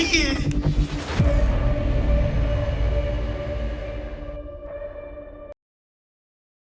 ใส่ก้าวอีกแล้ว